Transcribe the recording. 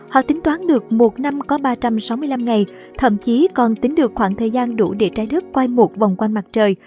họ tính toán được một năm có ba trăm sáu mươi năm ngày thậm chí còn tính được khoảng thời gian đủ để trái đất quay một vòng quanh mặt trời